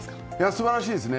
素晴らしいですね。